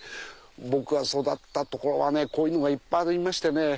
僕が育った所はねこういうのがいっぱいありましてね。